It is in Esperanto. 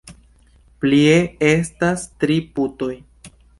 Plie, estas tri putoj.